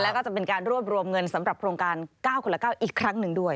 แล้วก็จะเป็นการรวบรวมเงินสำหรับโครงการ๙คนละ๙อีกครั้งหนึ่งด้วย